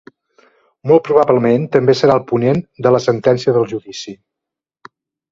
Molt probablement, també serà el ponent de la sentència del judici.